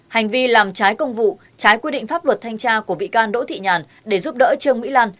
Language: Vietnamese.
hành vi làm trái công vụ trái quy định pháp luật thanh tra của bị can đỗ thị nhàn để giúp đỡ trương mỹ lan